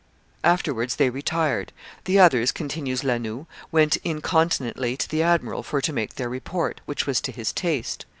Afterwards they retired. The others," continues La Noue, "went incontinently to the admiral for to make their report, which was to his taste.